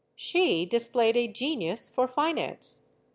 She displayed a genius for finance.